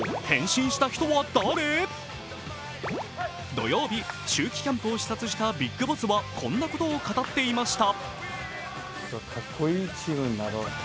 土曜日、秋季キャンプを視察したビッグボスはこんなことを語っていました。